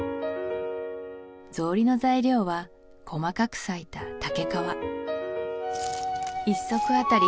草履の材料は細かくさいた竹皮１足当たり